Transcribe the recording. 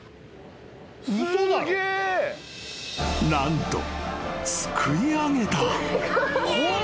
［何とすくい上げた］